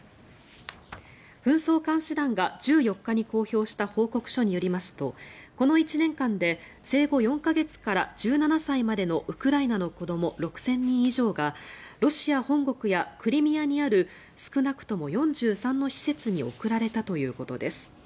紛争監視団が１４日に公表した報告書によりますとこの１年間で生後４か月から１７歳までのウクライナの子ども６０００人以上がロシア本国やクリミアにある少なくとも４３の施設に送られたということです。